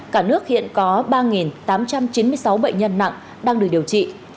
cả nước hiện có ba tám trăm chín mươi sáu bệnh nhân nặng đang được điều trị